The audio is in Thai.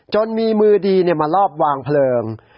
จนมีมือดีมารอบวางเพลิง